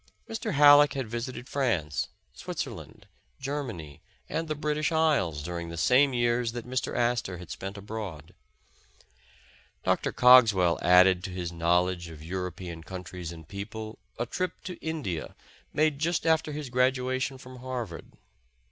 Mr. Halleck had visited France, Switzerland, Germany, and the British Isles during the same years that Mr. Astor had spent abroad. Dr. 275 The Original John Jacob Astor Cogswell added to his knowledge of European coun tries and people, a trip to India made just after his graduation from Harvard.